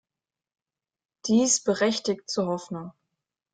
Dies berechtigt zur Hoffnung.